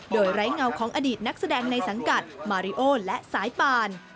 โดยไร้เงาของอดีตนักแสดงในสังกัดมาริโอและสายป่าน